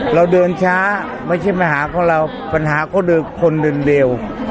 เราเดินช้าไม่คือปัญหาของเราปัญหาของคนเดียว